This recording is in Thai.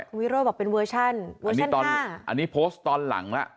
คุณวิโร่บอกเป็นเวอร์ชั่นเวอร์ชั่นห้าอันนี้ตอนอันนี้โพสต์ตอนหลังล่ะ